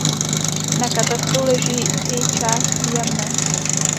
Na katastru leží i část Jamné.